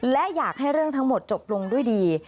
และอยากให้เรื่องทั้งหมดจบลงด้วยดี